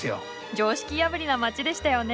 常識破りな町でしたよね。